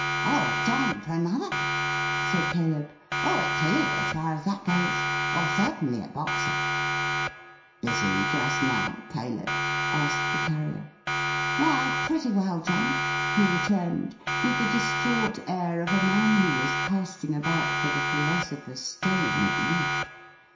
"Or at John for another," said Caleb. "Or at Tilly, as far as that goes. Or certainly at Boxer." "Busy just now, Caleb?" asked the Carrier. "Why, pretty well John," he returned, with the distraught air of a man who was casting about for the Philosopher's stone, at least.